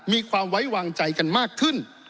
มีความไว้วางใจกันมากขึ้น